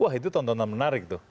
wah itu tontonan menarik tuh